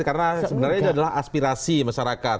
karena sebenarnya ini adalah aspirasi masyarakat